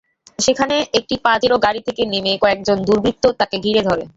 সেখানে একটি পাজেরো গাড়ি থেকে নেমে কয়েকজন দুর্বৃত্ত তাঁকে ঘিরে ধরে।